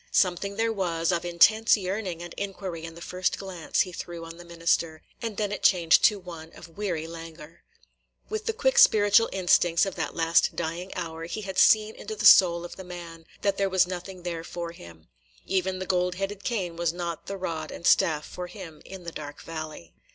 Something there was of intense yearning and inquiry in the first glance he threw on the minister, and then it changed to one of weary languor. With the quick spiritual instincts of that last dying hour, he had seen into the soul of the man, – that there was nothing there for him. Even the gold headed cane was not the rod and staff for him in the dark valley.